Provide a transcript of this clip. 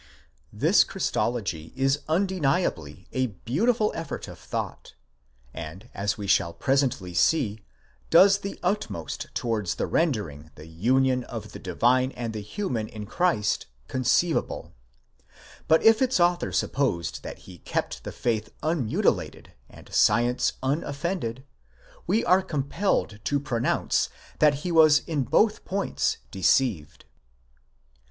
This Christology is undeniably a beautiful effort of thought, and as we shall presently see, does the utmost towards rendering the union of the divine and the human in Christ conceivable ; but if its author supposed that he kept the faith unmutilated and science unoffended, we are compelled to pronounce that he was in both points deceived.